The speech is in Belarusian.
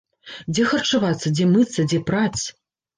Дзе харчавацца, дзе мыцца, дзе праць?